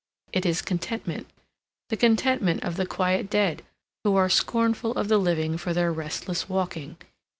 It is contentment ... the contentment of the quiet dead, who are scornful of the living for their restless walking.